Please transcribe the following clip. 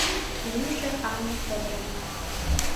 Лӱмжӧ Анна Фёдоровна.